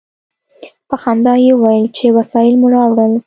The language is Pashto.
په خندا یې وویل چې وسایل مو راوړل.